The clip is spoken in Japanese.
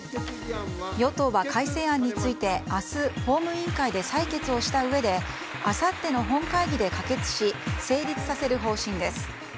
与党は、改正案について明日、法務委員会で採決をしたうえであさっての本会議で可決し成立させる方針です。